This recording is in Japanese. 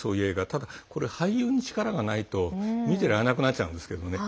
ただ、これは俳優に力がないと見てられなくなっちゃうんですけどね。